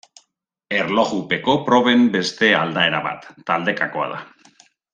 Erlojupeko proben beste aldaera bat, taldekakoa da.